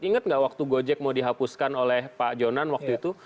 ingat nggak waktu gojek mau dihapuskan oleh pak jonan waktu itu